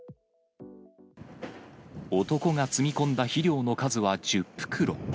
男が積み込んだ肥料の数は１０袋。